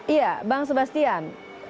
iya bang sebastian